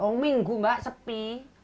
oh minggu mbak sepi